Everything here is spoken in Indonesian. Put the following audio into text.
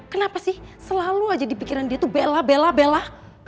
kenapa sih selalu aja di pikiran dia tuh bella bella bella